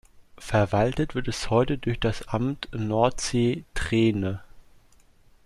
Verwaltet wird es heute durch das Amt Nordsee-Treene.